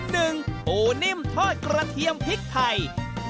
ปูนิ่มทอดกระเทียมพริกไทย